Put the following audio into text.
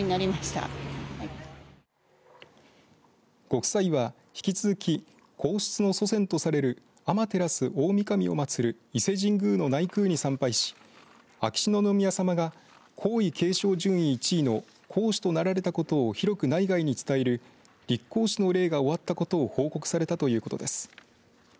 ご夫妻は、引き続き皇室の祖先とされる天照大神をまつる伊勢神宮の内宮に参拝し秋篠宮さまが皇位継承順位１位の皇嗣となられたことを広く内外に伝える立皇嗣の礼が終わったことを報告されたということです。